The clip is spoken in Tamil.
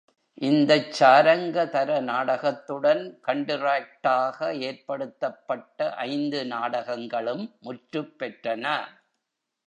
இந்தச் சாரங்கதர நாடகத்துடன் கண்டிராக்டாக ஏற்படுத்தப்பட்ட ஐந்து நாடகங்களும் முற்றுப்பெற்றன.